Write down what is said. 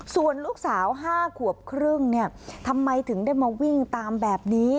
ส่วนลูกสาว๕ขวบครึ่งเนี่ยทำไมถึงได้มาวิ่งตามแบบนี้